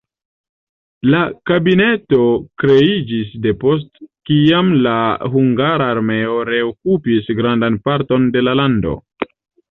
La kabineto kreiĝis depost kiam la hungara armeo reokupis grandan parton de la lando.